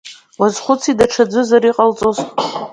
Уазхәыци даҽаӡәызар иҟалҵоз…